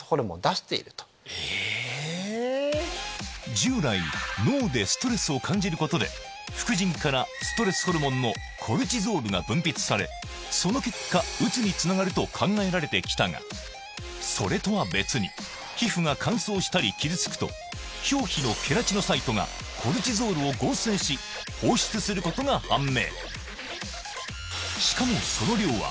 従来脳でストレスを感じることで副腎からストレスホルモンのコルチゾールが分泌されその結果うつにつながると考えられて来たがそれとは別に表皮のケラチノサイトがコルチゾールを合成し放出することが判明